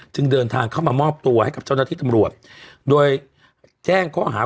เดินทางเข้ามามอบตัวให้กับเจ้าหน้าที่ตำรวจโดยแจ้งข้อหา